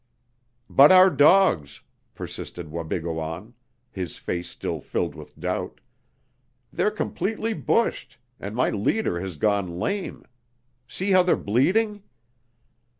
"But our dogs!" persisted Wabigoon, his face still filled with doubt. "They're completely bushed, and my leader has gone lame. See how they're bleeding!"